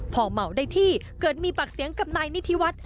พอเมาได้ที่เกิดมีปากเสียงกับนายนิธิวัฒน์